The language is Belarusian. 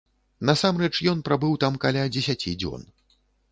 Насамрэч ён прабыў там каля дзесяці дзён.